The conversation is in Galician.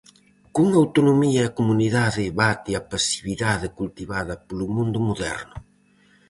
Con autonomía e comunidade, bate a pasividade cultivada polo mundo moderno.